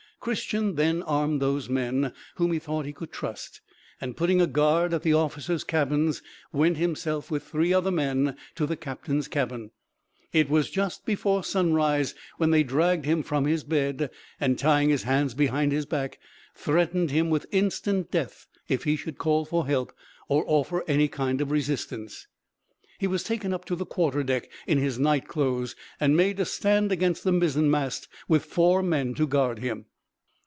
Christian then armed those men whom he thought he could trust, and putting a guard at the officers' cabins, went himself with three other men to the captain's cabin. It was just before sunrise when they dragged him from his bed, and tying his hands behind his back, threatened him with instant death if he should call for help or offer any kind of resistance. He was taken up to the quarter deck in his nightclothes, and made to stand against the mizzen mast with four men to guard him.